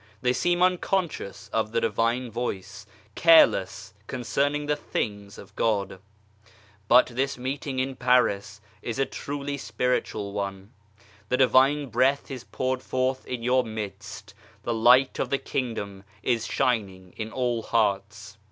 They seem un conscious of the Divine Voice, careless concerning the things of God. But this meeting in Paris is a truly Spiritual one. The Divine Breath is poured forth in your midst, the Light of the Kingdom is shining in all hearts.